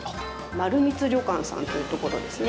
まるみつ旅館さんというところですね。